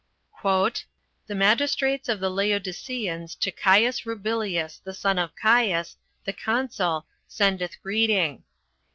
"The magistrates of the Laodiceans to Caius Rubilius, the son of Caius, the consul, sendeth greeting.